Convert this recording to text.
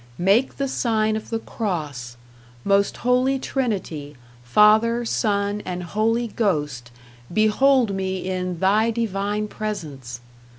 Make the sign of the cross. Most Holy Trinity, Father, Son, and Holy Ghost, behold me in Thy Divine Presence.